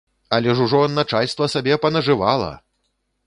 Але ж ужо начальства сабе панажывала!